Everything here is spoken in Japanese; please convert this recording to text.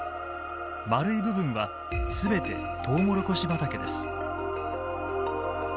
円い部分は全てトウモロコシ畑です。